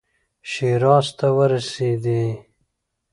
شیراز ته ورسېدی.